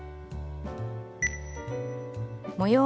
模様